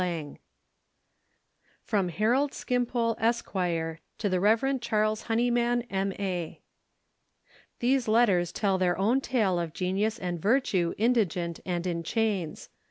XVIII. From Harold Skimpole, Esq., to the Rev. Charles Honeyman, M.A. These letters tell their own tale of Genius and Virtue indigent and in chains.